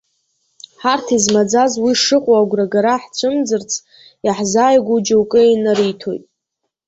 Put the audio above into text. Ҳарҭ, измаӡаз, уи шыҟоу агәрагара ҳцәымӡырц, иаҳзааигәоу џьоукы инариҭоит.